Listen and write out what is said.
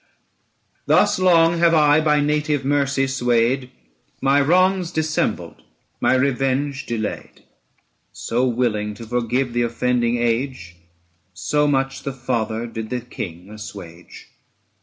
'Thus long have I, by native mercy swayed, My wrongs dissembled, my revenge delayed ; 940 So willing to forgive the offending age; So much the father did the king assuage.